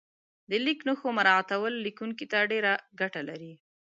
د لیک نښو مراعاتول لیکونکي ته ډېره ګټه لري.